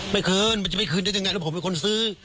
ไม่คืนมันจะไม่คืนได้ยังไงแล้วผมเป็นคนซื้อ